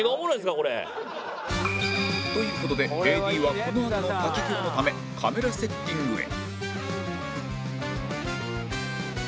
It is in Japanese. という事で ＡＤ はこのあとの滝行のためカメラセッティングへ